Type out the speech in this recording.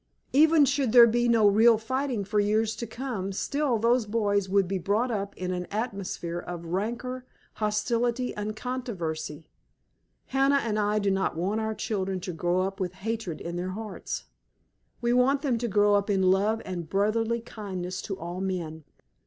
Even should there be no real fighting for years to come still those boys would be brought up in an atmosphere of rancor, hostility, and controversy. Hannah and I do not want our children to grow up with hatred in their hearts. We want them to grow up in love and brotherly kindness to all men."